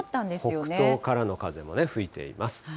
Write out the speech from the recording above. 北東からの風も吹いています。